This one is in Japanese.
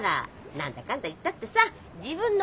何だかんだ言ったってさ自分の孫なんだもの。